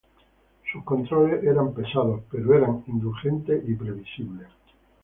Sus controles eran pesados, pero eran indulgentes y previsibles.